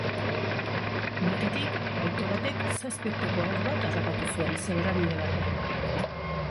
Batetik, auto batek zazpi urteko haur bat harrapatu zuen zebrabide batean.